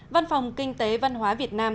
văn phòng kinh tế văn hóa việt nam